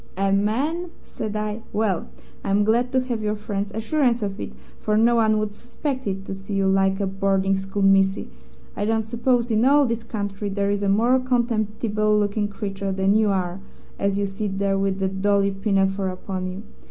"'A man!' said I. 'Well, I'm glad to have your friend's assurance of it, for no one would suspect it to see you like a boarding school missy. I don't suppose in all this country there is a more contemptible looking creature than you are as you sit there with that Dolly pinafore upon you.'